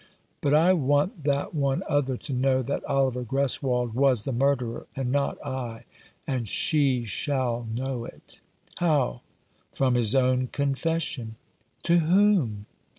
But I want that one other to know that Oliver Greswold was the murderer — and not I — and she shall know it." 315 Rough Justice. " How ?" "From his own confession." " To whom